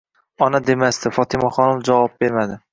Ona demasdi. Fotimaxonim javob bermadi.